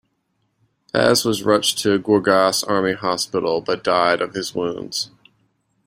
Paz was rushed to Gorgas Army Hospital but died of his wounds.